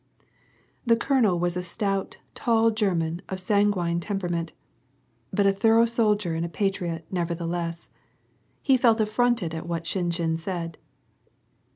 ♦ The colonel was a stout, tall German of a sanguine temper ament, but a thorough soldier and a patriot, nevertheless. He felt affronted at what Shinshin said.